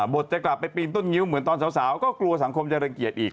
จะกลับไปปีนต้นงิ้วเหมือนตอนสาวก็กลัวสังคมจะรังเกียจอีก